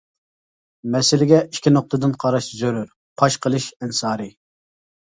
مەسىلىگە ئىككى نۇقتىدىن قاراش زۆرۈر پاش قىلىش ئەنسارى.